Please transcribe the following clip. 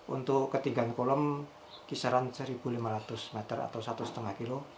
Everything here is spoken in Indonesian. untuk ketinggian kolom kisaran satu lima ratus meter atau satu lima kilo